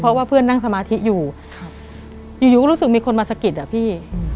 เพราะว่าเพื่อนนั่งสมาธิอยู่อยู่ก็รู้สึกมีคนมาสะกิดอะพี่